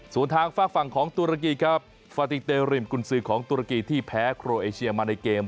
ส่วนทางฝากฝั่งของตุรกีครับฟาติกเตริมกุญสือของตุรกีที่แพ้โครเอเชียมาในเกม